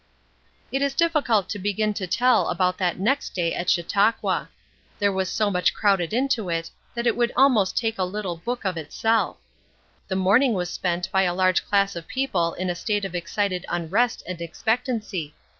It is difficult to begin to tell about that next day at Chautauqua. There was so much crowded into it that it would almost make a little book of itself. The morning was spent by a large class of people in a state of excited unrest and expectancy.